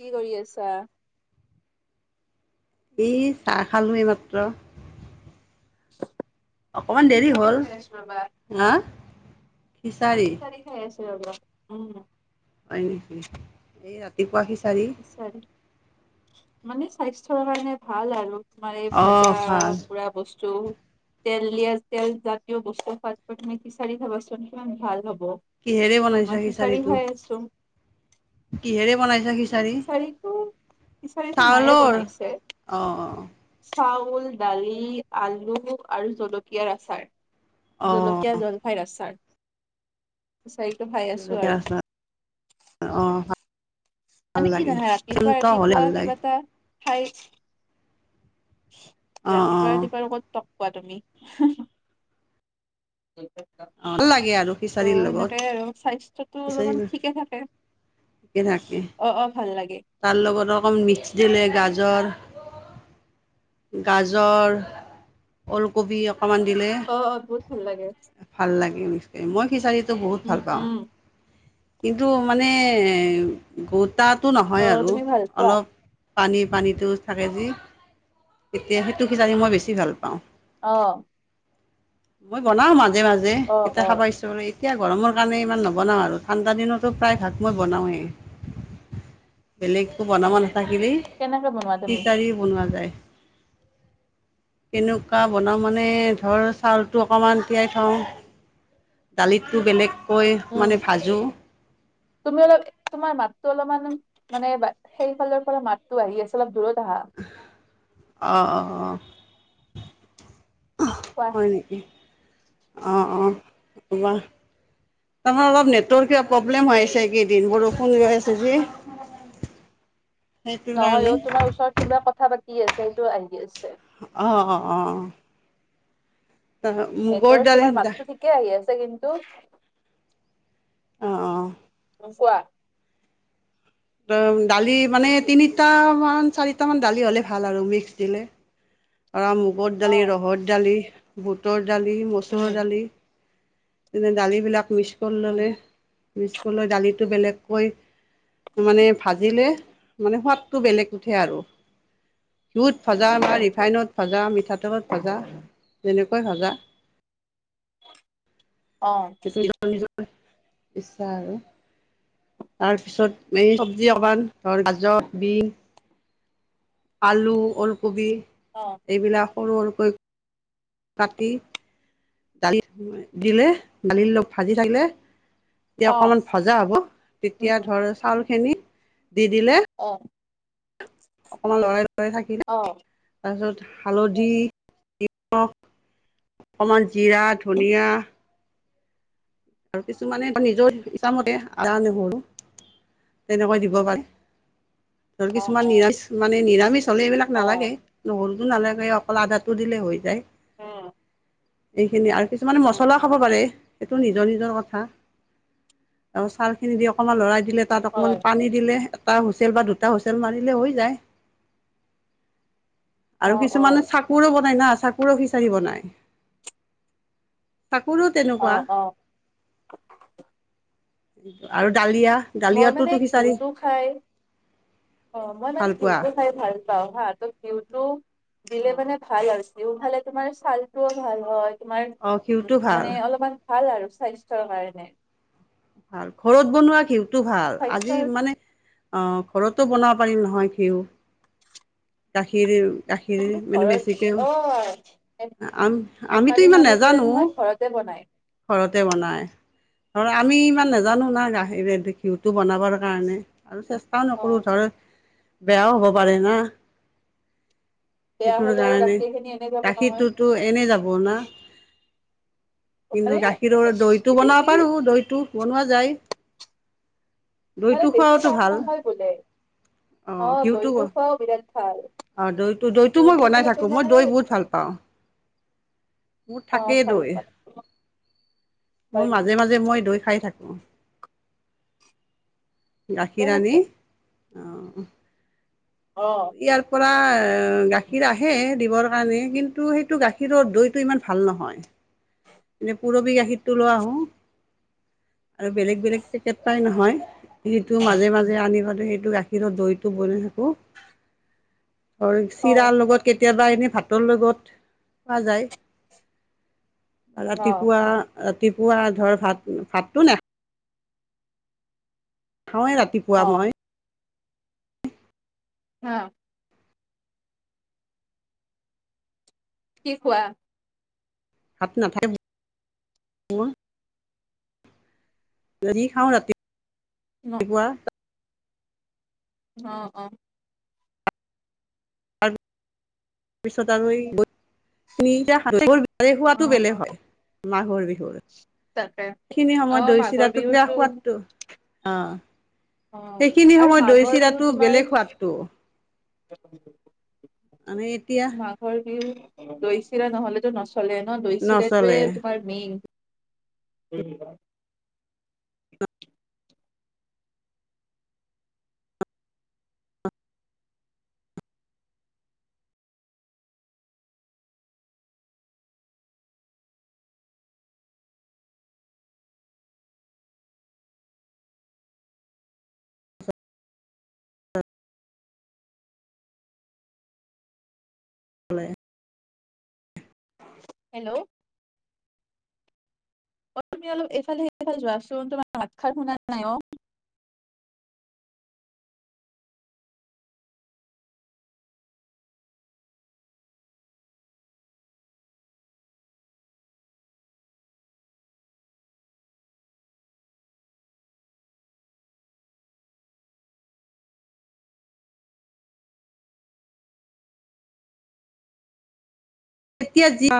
কি কৰি আছা? এই চাহ খালো এই মাত্ৰ। অকমান দেৰি হ'ল হা খিচাৰি [unintelligible] [unintelligible] উম হয় নেকি? এই ৰাতিপুৱা খিচাৰি [unintelligible] মানে স্বাস্থ্যৰ কাৰণে ভাল আৰু। তোমাৰ এই অ' ভাজা ভাল পুৰা বস্তু তেল দিয়া, তেল জাতীয় বস্তু খোৱাত কৰি তুমি খিচাৰি খাবাচোন কিমান ভাল হ'ব। কিহেৰে ত বনাইছা মই খিচাৰী খিচাৰিটো হৈ আছো। কিহেৰে বনাইছা খিচাৰি? খিচাৰীটো খিচাৰীটো মায়ে চাউলৰ বনাইছে। অ' চাউল, দালি, আলু আৰু জলকীয়াৰ আচাৰ। অ' জলকীয়া, জলফাইৰ আচাৰ, খিচাৰিটো খাই আছো আৰু, জলকীয়াৰ আচাৰ অ। ভাল মানে কি লাগে জানা? ৰাতিপুৱা শান্ত হ'লে ৰাতিপুৱা ভাল লাগে কিবা এটা খাই। অ' ৰাতিপুৱা অ' ৰাতিপুৱা আৰু তক কোৱা তুমি। ত' ভাল লাগে আৰু খিচাৰীৰ লগত সেনেকে আৰু স্বাস্থ্য টো খিচাৰি অলপমান ঠিকে থাকে। ঠিকে থাকে অ', অ' ভাল লাগে। তাৰ লগত অকণ মিক্স দিলে গাজৰ। গাজৰ, ওলকবি অকণমান দিলে। অ', অ' বহুত ভাল লাগে। ভাল লাগে মিক্স কৰি। মই খিচাৰীটো বহুত উম ভাল পাওঁ। উম কিন্তু মানে গোতাটো অ নহয় আৰু তুমি ভাল পোৱা অলপ পানী পানীতো থাকে যি তেতিয়া সেইটো খিচাৰী মই বেছি ভাল পাওঁ। অ'। মই বনাওঁ মাজে মাজে, অ যেতিয়া অ খাবা ইচ্ছা কৰে। এতিয়া গৰমৰ কাৰণে ইমান নবনাওঁ আৰু, ঠাণ্ডা দিনতো প্ৰায়ভাগ মই বনাৱেই। বেলেগ একো বনাব নাথাকিলেই কেনেকে বনোৱা তুমি খিছাৰি বনোৱা যায়। কেনেকুৱা বনাওঁ মানে ধৰ চাউলটো অকমান তিয়াই থওঁ। দালিতটো বেলেগকৈ উম মানে ভাজোঁ। তুমি অলপ তোমাৰ মাতটো অলপমান মানে সেইফালৰ পৰা মাতটো আহি আছে, অলপ দূৰত আহা। অ', অ', অ'। কোৱা হয় নেকি? অ', অ' [unintelligible] তাৰমানে অলপ নেটৱৰ্ক প্ৰব্লেম হৈ আছে কেইদিন, বৰষুণ হৈ আছে যে। সেইটো নহয় কাৰণে অ' তোমাৰ ওচৰত কোনোবা কথা পাতি আছে, সেইটো আহি আছে। অ', অ', অ'। মুগৰ নেটৰ, দালি তোমাৰ মাতটো ঠিকে আহি আছে কিন্তু অ', অ'। উ, কোৱা? দালি মানে তিনিটামান চাৰিটামান দালি হ'লে ভাল আৰু মিক্স দিলে। পৰা মুগৰ অ দালি, ৰহৰ দালি, ভূটৰ দালি মচুৰৰ উম দালি যেনে দালিবিলাক মিক্স কৰি উম ল'লে, মিক্স কৰি লৈ দালিটো বেলেগকৈ মানে ভাজিলে মানে সোৱাদটো বেলেগ উঠে আৰু। ঘিউত ভাজা বা হয় নেকি ৰিফাইনত ভাজা, মিঠাতেলত ভাজা যেনেকৈ ভাজা। অ [unintelligible] নিজৰ নিজৰ ইচ্ছা আৰু। তাৰপিছত এই চব্জি অকমান ধৰ গাজৰ বিন আলু, ওলকবি অ এইবিলাক সৰু সৰুকৈ কাটি দালিত দিলে, দালি অলপ ভাজি থাকিলে তিয়া অ অকণমান ভজা হ'ব, উম তেতিয়া ধৰ চাউলখিনি দি দিলে অ'। অকমান লৰাই লৰাই থাকি অ'। তাৰপিছত হালধি, নিমখ অকমান জিৰা, ধনিয়া আৰু কিছুমানে নিজৰ ইছামতে আধা নহৰু তেনেকৈ দিব পাৰে, ধৰ অ কিছুমান অ নিৰামি মানে নিৰামিষ হ'লে এইবিলাক অ নালাগে। নহৰুতো নালাগে অকল আধাটো দিলে হৈ যায়। [unintelligible] এইখিনি আৰু কিছুমানে মছলাও উম খাব পাৰে সেইটো নি নিজৰ নিজৰ কথা। তাৰ চাৰখিনি দি অকমান লৰাই দিলে তাত অকমান হয় পানী দিলে, এটা হোচেল বা দুটা হোচেল, মাৰিলে হৈ যায়। অ আৰু অ কিছুমানে, চাক চাকুৰ বনায় না চাকোৰো খিচাৰি বনায়, চাকোৰো অ তেনেকুৱা। অ আৰু ডালিয়া। মই মানে ঘিউটো খাই, অ', মই মানে ভাল পোৱা ঘিউটো খাই ভাল খাওঁ হা ত' ঘিউটো দিলে মানে ভাল, আৰু ঘিউ খালে তোমাৰ ছালটোও ভাল হয়। তোমাৰ অঁ ঘিউটো ভাল মানে অলপমান ভাল আৰু, স্বাস্থ্যৰ কাৰণে। ভাল, ঘৰত বনোৱা ঘিউটো ভাল, আজি স্বাস্থ্যৰ মানে অ', ঘৰতো বনাব পাৰিম নহয় ঘিউ, গাখীৰ গাখীৰ কিন্তু মানে ঘৰত বেছিকে, অ নে- আ নেপালী আমিতো ইমান মানুহ বোৰে নাজানো। নহয় ঘৰতে বনাই ঘৰতে বনাই, ধৰ আমি ইমান নাজানো না, গাখিৰেদি ঘিউটো বনাবৰ কাৰণে, আৰু চেষ্টাও অ নকৰো ধৰ। বেয়াও হ'ব পাৰে না। বেয়া সেইটোৰ হলে আৰু কাৰণে, গাখীৰ খিনি এনে যাব নহয় গাখীৰটোতো এনে যাব না। মানে কিন্তু গাখীৰৰ দৈটো বনাব বেছি পাৰো, দৈটো বনোৱা যায়। মানে দৈটো বেছি খোৱাওতো টান ভাল নহয় বোলে, অ', দৈটো খোৱাও বিৰাট ভাল। অ', দৈটো, দৈটো মই ঘিউটো মানে বনাই থাকো, মই তোমাৰ দৈ বহুত ভাল পাওঁ। [inaudible] মোৰ অ থাকেই ভাল দৈ, মানে হয় মোৰ নেকি মাজে, মাজে মই দৈ খাই থাকো। ঠিকে গাখীৰ আনি, আছে অ', অ ইয়াৰ পৰা গাখীৰ আহে দিবৰ কাৰণে, কিন্তু সেইটো গাখীৰৰ দৈটো ইমান ভাল নহয়। [inaudible] এ পুৰবী গাখীৰটো লৈ আহোঁ, আৰু বেলেগ বেলেগ পেকেট পাই নহয়। সেইটো, মাজে, মাজে আনি পেলাই, সেইটো গাখীৰৰ দৈটো বনাই থাকো। ধৰ, অ চিৰা লগত কেতিয়াবা এনেই ভাতৰ লগত খোৱা যায়। অ ৰাতিপুৱা, ৰাতিপুৱা ধৰ ভাত, ভাতটো নাখা খাওঁৱে ৰাতিপুৱা অ মই। হা। কি কোৱা? ভাত [unintelligible] যি খাওঁ ৰাতি, ন ৰাতিপুৱা। অ', অ'। তাৰপিছত আৰু তিনিতা [unintelligible] এনেই অ খোৱাটো অ বেলেগ হয়, মাঘৰ বিহুৰ তাকে সেইখিনি অ সময়ত মাঘৰ দৈ-চিৰাটো কিবা বিহুতো সোৱাদটো, অ'। সেইখিনি আৰু সময়ত, মাঘৰ বিহু দৈ-চিৰাটো তোমাৰ বেলেগ সোৱাদটো। [inaudible] আমি এতিয়া মাঘৰ বিহু দৈ-চিৰা নহ'লেতো নচলে ন, নচলে দৈ-চিৰাটোয়ে তোমাৰ মেইন। [unintelligible] হেল্ল'। অ', তুমি অলপ এইফাল-সেইফাল যোৱাচোন, তোমাৰ মাতসাৰ শুনা নাই অ'। এতিয়া যি